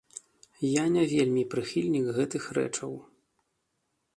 Я не вельмі прыхільнік гэтых рэчаў.